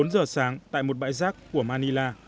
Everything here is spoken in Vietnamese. bốn giờ sáng tại một bãi giác của manila